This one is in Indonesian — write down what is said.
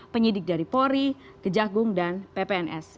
penyelidik dari pori ke jagung dan ppns